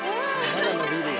まだ伸びるよ。